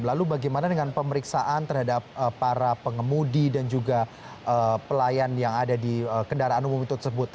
lalu bagaimana dengan pemeriksaan terhadap para pengemudi dan juga pelayan yang ada di kendaraan umum itu tersebut